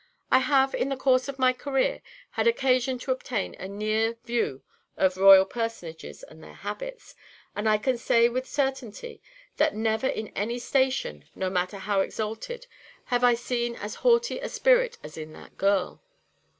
I have, in the course of my career, had occasion to obtain a near view of royal personages and their habits, and I can say with certainty that never in any station, no matter how exalted, have I seen as haughty a spirit as in that girl.